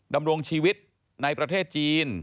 ดำรงชีวิตในประเทศจีน